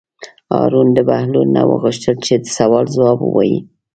هارون د بهلول نه وغوښتل چې د سوال ځواب ووایي.